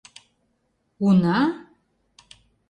Уна?